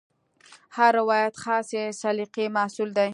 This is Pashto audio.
هر روایت خاصې سلیقې محصول دی.